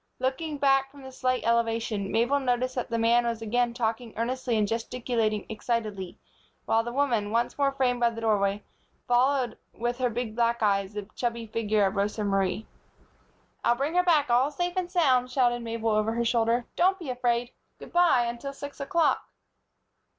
Looking back from the slight elevation, Mabel noticed that the man was again talking earnestly and gesticulating excitedly; while the woman, once more framed by the doorway, followed, with her big black eyes, the chubby figure of Rosa Marie. "I'll bring her back all safe and sound," shouted Mabel, over her shoulder. "Don't be afraid. Good by, until six o'clock!"